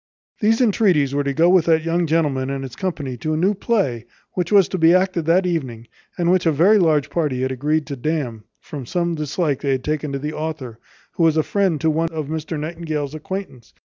These entreaties were to go with that young gentleman and his company to a new play, which was to be acted that evening, and which a very large party had agreed to damn, from some dislike they had taken to the author, who was a friend to one of Mr Nightingale's acquaintance.